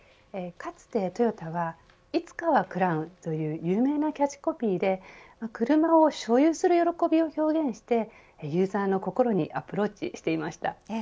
かつてトヨタはいつかはクラウン、という有名なキャッチコピーで車を所有する喜びを表現してユーザーの心にアプローチしていました。